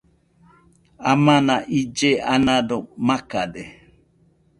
Amana ille anado makade